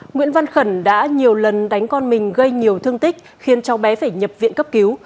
nguyễn văn khẩn đã nhiều lần đánh con mình gây nhiều thương tích khiến cháu bé phải nhập viện cấp cứu